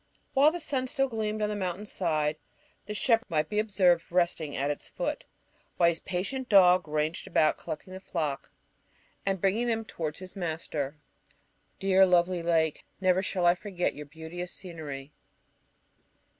While the sun still gleamed on the mountain's side the shepherd might be observed resting at its foot, while his patient dog ranged about collecting the flock, and bringing them towards his master. Dear, lovely lake! Never shall I forget your beauteous scenery.